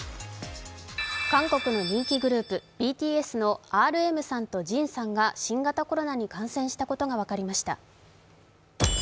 韓国の人気グループ、ＢＴＳのＲＭさんとＪＩＮさんが新型コロナに感染したことが分かりました。